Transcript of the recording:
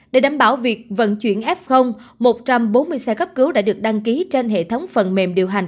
để đảm bảo việc vận chuyển f một trăm bốn mươi xe cấp cứu đã được đăng ký trên hệ thống phần mềm điều hành